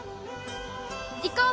行こう！